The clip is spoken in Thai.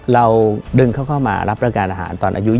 เราดึงเขาเข้ามารับประการอาหารตอนอายุ